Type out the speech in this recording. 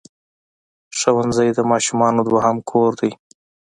ښوونځی د ماشومانو دوهم کور دی.